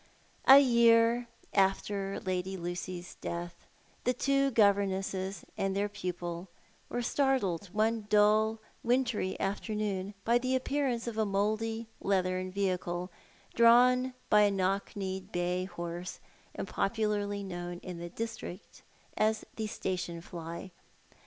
A year after Lady Lucy's death the two governesses and their pupil were startled one dull wintry afternoon by the appearance ot a mouldy leathern vehicle, drawn by a knock kneed bay horse, and popularly known iu the district as the station fly.